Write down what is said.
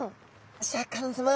シャーク香音さま